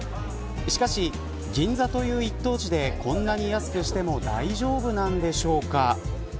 しかし、銀座という一等地でこんなに安くしても大丈夫なんでしょうか。